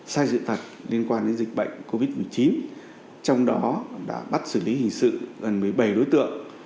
sai sự thật liên quan đến dịch bệnh covid một mươi chín trong đó đã bắt xử lý hình sự gần một mươi bảy đối tượng